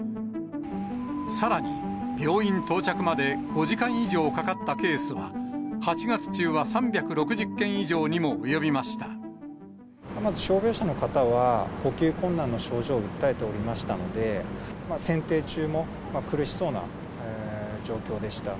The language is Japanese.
さらに病院到着まで５時間以上かかったケースは８月中は３６０件傷病者の方は、呼吸困難の症状を訴えておりましたので、選定中も苦しそうな状況でした。